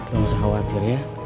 gak usah khawatir ya